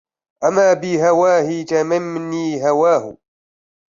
أما بهواه تيمني هواه